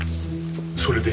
それで？